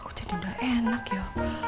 aku jadi nggak enak ya